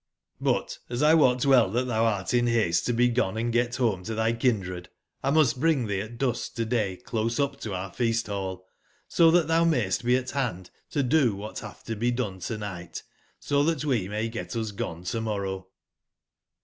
But, as 1 wot well tbat tbou art in baste to be goneandgetbometotbykindred, lmustbringtbec at dusk to/day close up to our feast/ball, so tbat tbou mayst be at band to do wbat batb to be done to/nigbt, so tbat we may get us gone to/morrow.